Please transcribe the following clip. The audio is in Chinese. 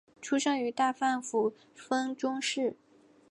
出身于大阪府丰中市。